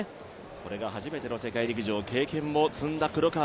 これが初めての世界陸上経験も積んだ黒川